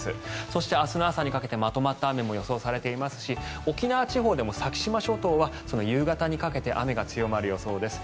そして、明日の朝にかけてまとまった雨も予想されていますし沖縄地方でも先島諸島では夕方にかけて雨が強まる予想です。